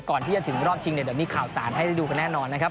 ก่อนที่จะถึงรอบชิงเนี่ยเดี๋ยวมีข่าวสารให้ได้ดูกันแน่นอนนะครับ